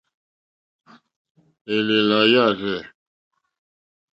Élèlà yârzɛ̂.